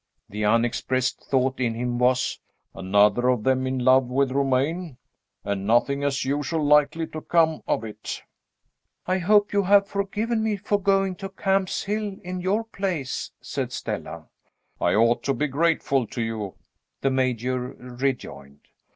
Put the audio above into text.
The unexpressed thought in him was, "Another of them in love with Romayne! and nothing, as usual, likely to come of it." "I hope you have forgiven me for going to Camp's Hill in your place," said Stella. "I ought to be grateful to you," the Major rejoined.